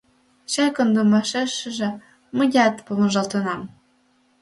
Чай кондымашешыже мыят помыжалтынам.